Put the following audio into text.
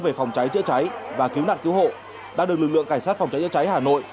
về phòng cháy chữa cháy và cứu nạn cứu hộ đã được lực lượng cảnh sát phòng cháy chữa cháy hà nội